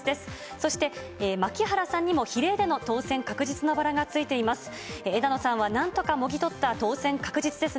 そして、牧原さんにも比例での当選確実のバラがついています。